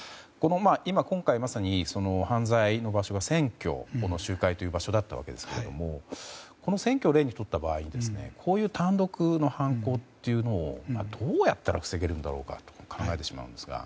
今回まさに犯罪の場所が選挙の集会という場所でしたがこの選挙を例にとった場合こういう単独の犯行というのをどうやったら防げるんだろうなと考えてしまうんですが。